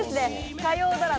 火曜ドラマ